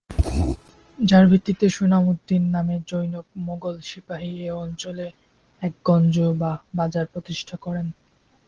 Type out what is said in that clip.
যার ভিত্তিতে সুনাম উদ্দিন নামে জনৈক মোঘল সিপাহী এ অঞ্চলে একটি গঞ্জ বা বাজার প্রতিষ্ঠা করেন।